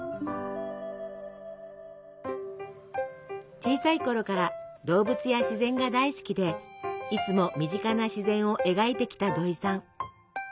小さいころから動物や自然が大好きでいつも身近な自然を描いてきたどいさん。